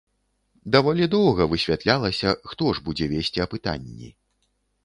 Даволі доўга высвятлялася, хто ж будзе весці апытанні.